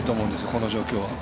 この状況は。